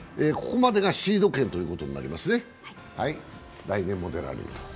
ここまでがシード権ということになります、来年も出られる。